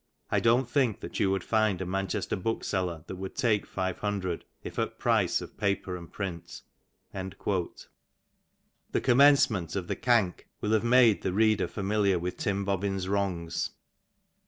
I dont think that you would find a Manchester bookseller that " would take 500, if at price of paper and print.^^ The commencement of the Cank will have made the reader fiuni liar with Tim Bobbin'^s wrongs.